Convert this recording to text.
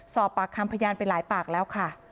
สอบปากคำพยานไปหลายปากแล้วค่ะ